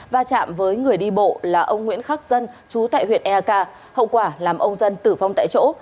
và chạm với người đi bộ là ông nguyễn khắc dân chú tại huyện ea k hậu quả làm ông dân tử vong tại chỗ